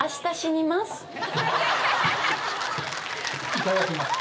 いただきます